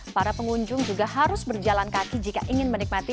para pengunjung juga harus berjalan kaki jika ingin menikmati